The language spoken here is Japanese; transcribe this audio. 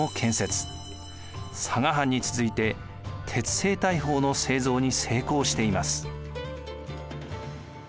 佐賀藩に続いて鉄製大砲の製造に成功しています。